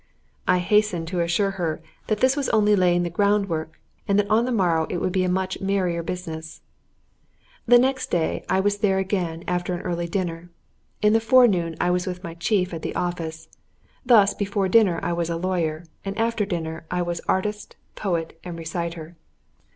I hastened to assure her that this was only laying the ground work, and that on the morrow it would be a much merrier business. The next day I was there again after an early dinner. In the forenoon I was with my chief at the office. Thus before dinner I was a lawyer, and after dinner I was artist, poet, and reciter.